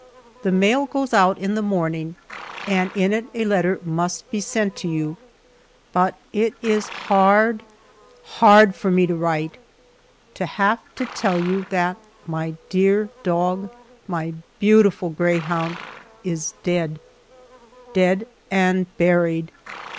THE mail goes out in the morning, and in it a letter must be sent to you, but it is hard hard for me to write to have to tell you that my dear dog, my beautiful greyhound, is dead dead and buried!